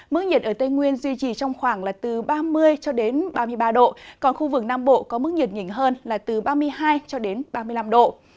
mức nhiệt ở tây nguyên duy trì trong khoảng là từ ba mươi ba mươi ba độ còn khu vực nam bộ có mức nhiệt nhỉnh hơn là từ ba mươi hai ba mươi năm độ